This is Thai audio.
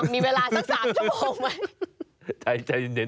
มีเวลาสัก๓ชั่วโปรง